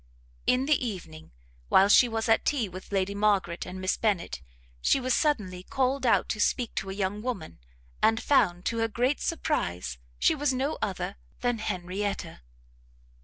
In the evening, while she was at tea with Lady Margaret and Miss Bennet, she was suddenly called out to speak to a young woman; and found, to her great surprise, she was no other than Henrietta.